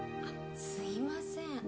あっすみません。